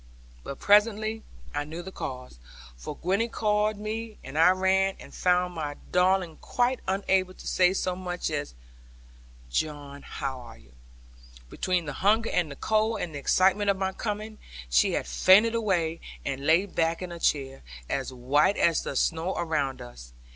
But presently I knew the cause, for Gwenny called me, and I ran, and found my darling quite unable to say so much as, 'John, how are you?' Between the hunger and the cold, and the excitement of my coming, she had fainted away, and lay back on a chair, as white as the snow around us.